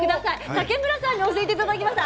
竹村さんに教えていただきました。